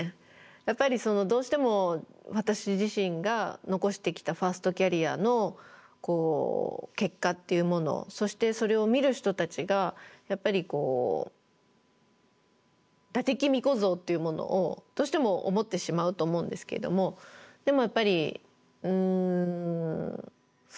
やっぱりどうしても私自身が残してきたファーストキャリアの結果っていうものそしてそれを見る人たちがやっぱり伊達公子像っていうものをどうしても思ってしまうと思うんですけれどもでもやっぱりそれは過去のものだと。